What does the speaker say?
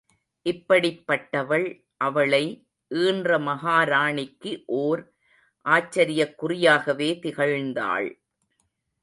இப்படிப் பட்டவள் அவளை ஈன்ற மகாராணிக்கு ஓர் ஆச்சரியக் குறியாகவே திகழ்ந்தாள்.